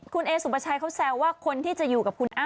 คุณเอสุปชัยเขาแซวว่าคนที่จะอยู่กับคุณอ้ำ